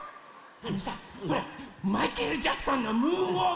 あのさほらマイケル・ジャクソンのムーンウォーク。